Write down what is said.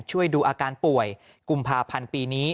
ช่วยดูอาการป่วยกุมภาพันธ์ปีนี้